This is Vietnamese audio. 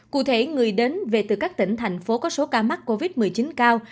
cụ thể người đến về từ các tỉnh thành phố có số ca mắc covid một mươi chín cao